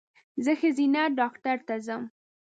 زه ښځېنه ډاکټر ته ځم